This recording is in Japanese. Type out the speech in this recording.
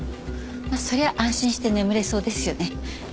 まあそりゃ安心して眠れそうですよね。